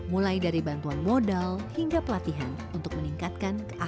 mulai dari bantuan modal hingga pelatihan untuk meningkatkan kemampuan